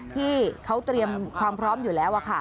ที่เขาเตรียมความพร้อมอยู่แล้ว